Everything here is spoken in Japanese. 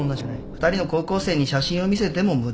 ２人の高校生に写真を見せても無駄だった。